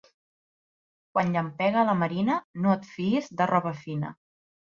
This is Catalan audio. Quan llampega a la marina no et fiïs de roba fina.